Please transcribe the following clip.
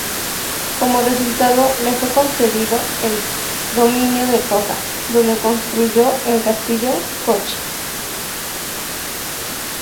Como resultado le fue concedido el dominio de Tosa, donde construyó el Castillo Kōchi.